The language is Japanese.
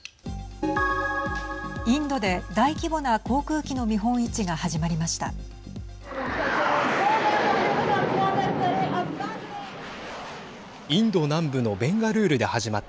インドで大規模な航空機の見本市が始まりました。